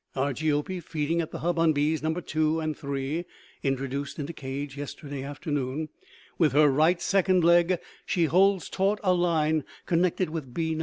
Argiope feeding at hub on bees Nos. 2 and 3 introduced into cage yesterday afternoon. With her right second leg she holds taut a line connected with bee No.